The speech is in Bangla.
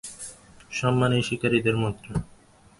সম্মানই শিকারীদের মুদ্রা।